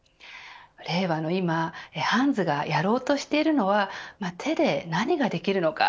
令和の今ハンズがやろうとしているのは手で何ができるのか。